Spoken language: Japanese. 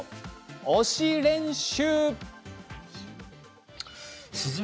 推し練習。